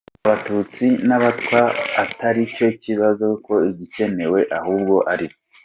abatutsi n’abatwa atari cyo kibazo ko igikenewe ahubwo ari.